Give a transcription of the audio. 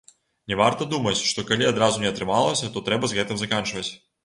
Не варта думаць, што калі адразу не атрымалася, то трэба з гэтым заканчваць.